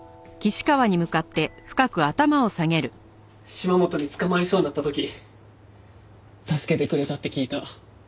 島本に捕まりそうになった時助けてくれたって聞いた。